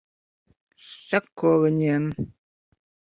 Seko viņiem.